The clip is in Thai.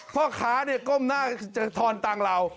เพราะขาเนี่ยก้มหน้าจะทอนตังเรา